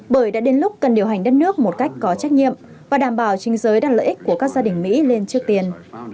bởi đã đến lúc cần điều hành đất nước một cách có trách nhiệm và đảm bảo chính giới đặt lợi ích của các gia đình mỹ lên trước tiền